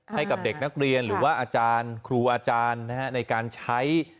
ให้กับเด็กนักเรียนหรือว่าอาจารย์ครูอาจารย์ในการใช้